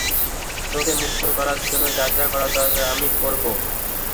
তোকে মুক্ত করার জন্য যা-যা করা দরকার আমি করব।